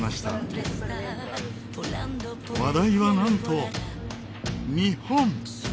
話題はなんと日本！